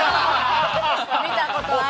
見たことある。